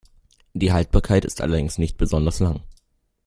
Die Haltbarkeit ist allerdings nicht besonders lang.